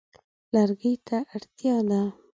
لرګي ته اړتیا ده.